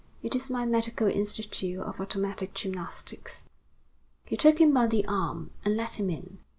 It is my medical institute of automatic gymnastics." He took him by the arm, and led him in.